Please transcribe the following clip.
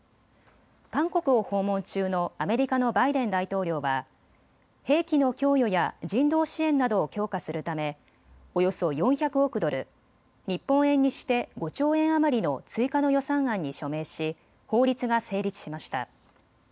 韓国を訪問中のアメリカのバイデン大統領は兵器の供与や人道支援などを強化するためおよそ４００億ドル、日本円にして５兆円余りの追加の予算案に署名し法律が成立しました。